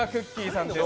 さんです。